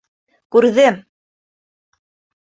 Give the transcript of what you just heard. Күрҙем!